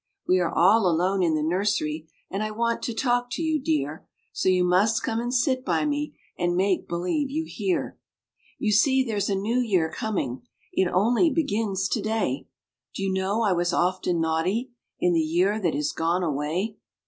We are all alone in the nursery, And I want to talk to you, dear; So you must come and sit by me, And make believe you hear. You see, there's a new year coming It only begins to day. Do you know I was often naughty In the year that is gone away?